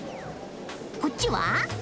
こっちは？